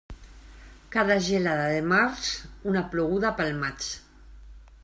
Cada gelada de març, una ploguda pel maig.